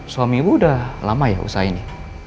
suami ibu udah lama ya usahainya